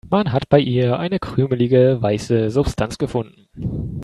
Man hat bei ihr eine krümelige, weiße Substanz gefunden.